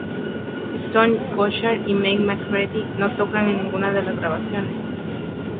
Stone Gossard y Mike McCready no tocan en ninguna de las grabaciones.